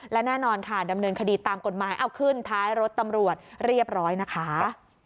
และแน่นอนค่ะดำเนินคดีตามกฎหมายเอาขึ้นท้ายรถตำรวจเรียบร้อยนะคะ